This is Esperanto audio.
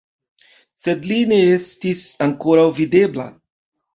Sed li ne estis ankoraŭ videbla.